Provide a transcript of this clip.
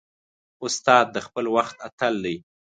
استاد د خپل وخت اتل دی.